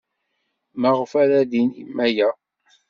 Maɣef ara d-tinim aya?